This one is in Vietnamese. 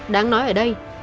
đáng nói ở đây